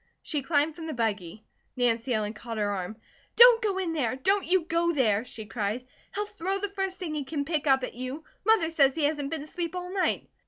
She climbed from the buggy. Nancy Ellen caught her arm. "Don't go in there! Don't you go there," she cried. "He'll throw the first thing he can pick up at you. Mother says he hasn't been asleep all night."